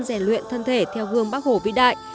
rèn luyện thân thể theo gương bắc hồ vĩ đại